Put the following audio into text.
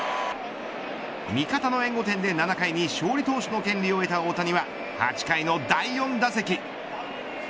味方の援護点で７回に勝利投手の権利を得た大谷は８回の第４打席。